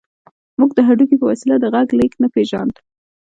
موږ د هډوکي په وسيله د غږ لېږد نه پېژاند.